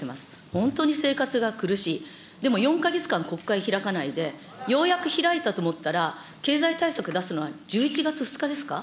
本当に生活が苦しい、でも４か月間、国会開かないで、ようやく開いたと思ったら、経済対策出すのは１１月２日ですか。